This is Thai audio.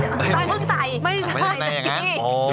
แต่เพิ่งใส่ไม่ใช่ในอย่างนั้นโอ้โฮ